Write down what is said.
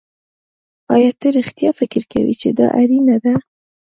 ایا ته رښتیا فکر کوې چې دا اړینه ده